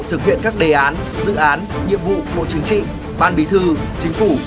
thực hiện các đề án dự án nhiệm vụ bộ chính trị ban bí thư chính phủ